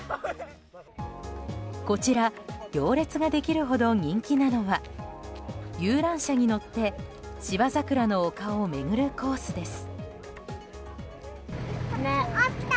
こちら、行列ができるほど人気なのは遊覧車に乗って芝桜の丘を巡るコースです。